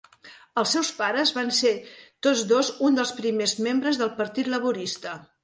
Els seus pares van ser tots dos uns dels primers membres del Partit Laborista.